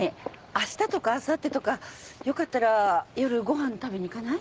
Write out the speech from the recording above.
あしたとかあさってとかよかったら夜ご飯食べに行かない？